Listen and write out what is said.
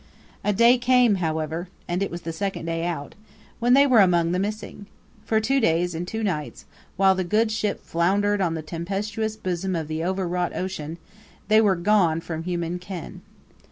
A day came, however and it was the second day out when they were among the missing. For two days and two nights, while the good ship floundered on the tempestuous bosom of the overwrought ocean, they were gone from human ken.